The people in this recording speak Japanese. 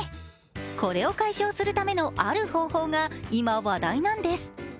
これを解消するためのある方法が今、話題なんです。